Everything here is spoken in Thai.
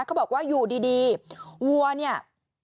เขาบอกว่าอยู่ดีวัวเนี่ย